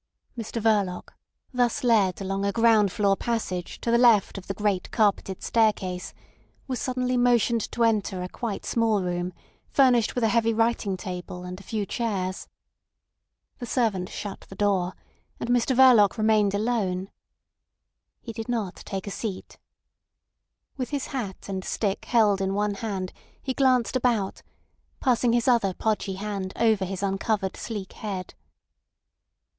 Mr Verloc, thus led along a ground floor passage to the left of the great carpeted staircase, was suddenly motioned to enter a quite small room furnished with a heavy writing table and a few chairs. The servant shut the door, and Mr Verloc remained alone. He did not take a seat. With his hat and stick held in one hand he glanced about, passing his other podgy hand over his uncovered sleek head.